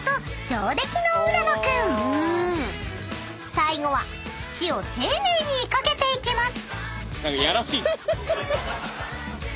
［最後は土を丁寧に掛けていきます］